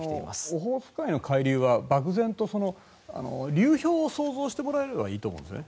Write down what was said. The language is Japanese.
オホーツク海の海流は漠然と流氷を想像してもらえればいいと思います。